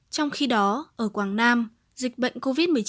trong khi đó ở quảng nam dịch bệnh covid một mươi chín